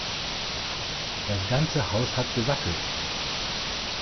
Das ganze Haus hat gewackelt.